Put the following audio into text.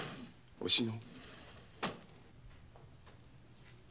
おしの！